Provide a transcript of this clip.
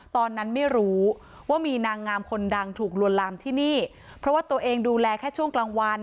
ตอนนั้นไม่รู้ว่ามีนางงามคนดังถูกลวนลามที่นี่เพราะว่าตัวเองดูแลแค่ช่วงกลางวัน